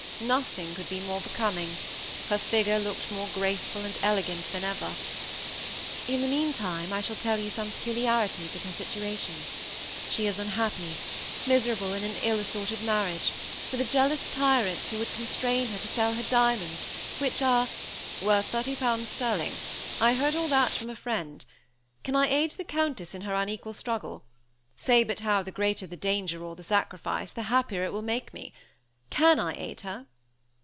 Nothing could be more becoming; her figure looked more graceful and elegant than ever. "In the meantime I shall tell you some peculiarities of her situation. She is unhappy; miserable in an ill assorted marriage, with a jealous tyrant who now would constrain her to sell her diamonds, which are " "Worth thirty thousand pounds sterling. I heard all that from a friend. Can I aid the Countess in her unequal struggle? Say but how the greater the danger or the sacrifice, the happier will it make me. Can I aid her?"